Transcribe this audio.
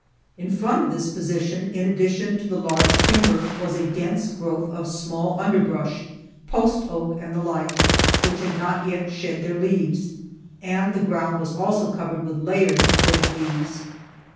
In front of this position, in addition to the large timber, was a dense growth of small under brush, post oak and the like, which had not yet shed their leaves, and the ground also was covered with layers of dead leaves.